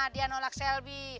dia nolak shelby